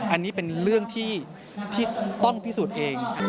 อันนี้เป็นเรื่องที่ต้องพิสูจน์เอง